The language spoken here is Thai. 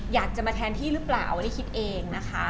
อยากจะมาแทนที่หรือเปล่าอันนี้คิดเองนะคะ